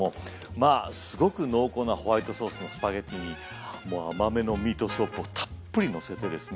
まあすごく濃厚なホワイトソースのスパゲッティにもう甘めのミートソースをたっぷりのせてですね